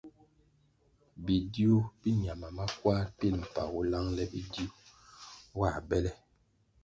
Bidiu bi ñama makwar pilʼ mpagu langʼle bidiu nwā bele.